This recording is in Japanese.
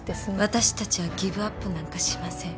私たちはギブアップなんかしません。